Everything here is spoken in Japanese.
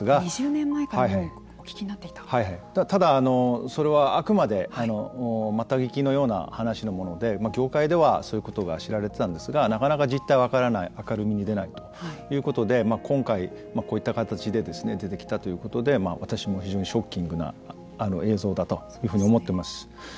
２０年前からもうただ、それはあくまでまた聞きのような話のもので業界では、そういうことが知られていたんですがなかなか実態は分からない明るみに出ないということで今回、こういった形で出てきたということで私も非常にショッキングな映像だというふうに思っています。